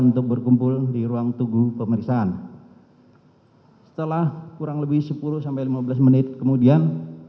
terus latuha kan